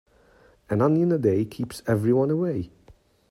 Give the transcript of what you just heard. An onion a day keeps everyone away.